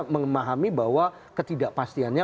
memahami bahwa ketidakpastiannya